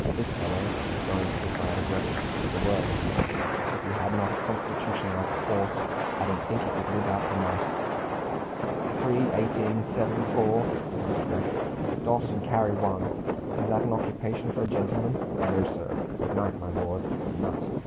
This fellow" going to the side of Rex "is the worst. If he had not a constitution like a horse, I don't think he could live out the night." "Three, eighteen, seven, four," muttered Rex; "dot and carry one. Is that an occupation for a gentleman? No, sir. Good night, my lord, good night.